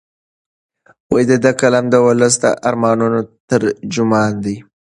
د ده قلم د ولس د ارمانونو ترجمان دی.